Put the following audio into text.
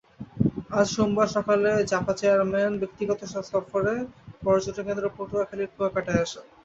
আজ সোমবার সকালে জাপা চেয়ারম্যান ব্যক্তিগত সফরে পর্যটনকেন্দ্র পটুয়াখালীর কুয়াকাটায় আসেন।